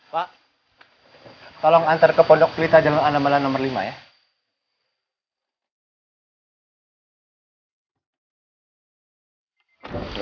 pak tolong antar ke pondok pelita jalur anambalan nomor lima ya